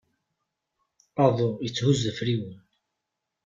Aḍu yetthuzu afriwen.